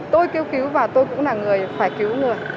tôi kêu cứu và tôi cũng là người phải cứu người